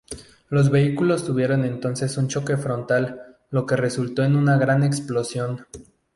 Los vehículos tuvieron entonces un choque frontal, lo que resultó en una gran explosión.